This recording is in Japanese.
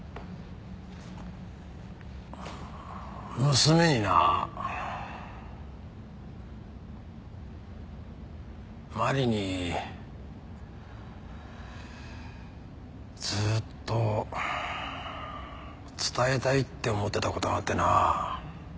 娘にな麻里にずーっと伝えたいって思ってた事があってな。